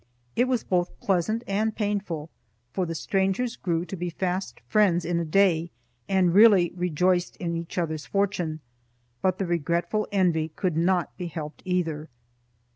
It was both pleasant and painful, for the strangers grew to be fast friends in a day and really rejoiced in each other's fortune, but the regretful envy could not be helped either.